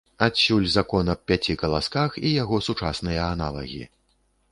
Адсюль закон аб пяці каласках і яго сучасныя аналагі.